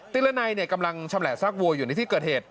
ระนัยกำลังชำแหละซากวัวอยู่ในที่เกิดเหตุ